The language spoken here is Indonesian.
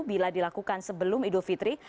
bila dilakukan sebelum idul fitri